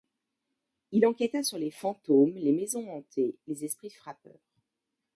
Il enquêta sur les fantômes, les maisons hantées, les esprits frappeurs...